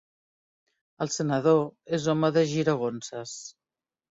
El senador és home de giragonses.